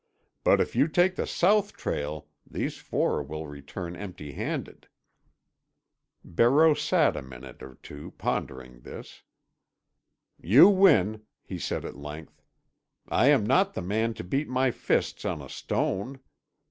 But if you take the south trail these four will return empty handed." Barreau sat a minute or two pondering this. "You win," he said at length. "I am not the man to beat my fists on a stone.